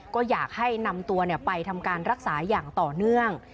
ก็อยากให้นำตัวไปทำการรักษาอย่างต่อเนื่อง